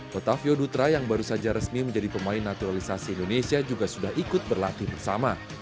tetapi ketika berjalan ke kota timnas sudah melupakan kegagalan yang terakhir di uab